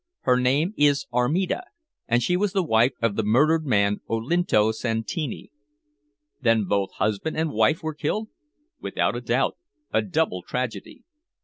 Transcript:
"Her name is Armida, and she was wife of the murdered man Olinto Santini." "Then both husband and wife were killed?" "Without a doubt a double tragedy."